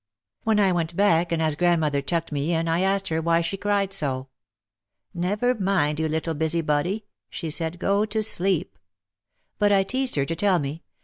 ,, When I went back and as grandmother tucked me in, I asked her why she cried so. "Never mind, you little busybody," she said, "go to sleep." But I teased her to tell me.